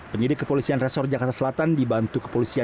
penyidik kepolisian resor jakarta selatan dibantu kepolisian